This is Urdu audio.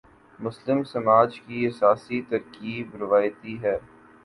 مسلم سماج کی اساسی ترکیب روایتی ہے۔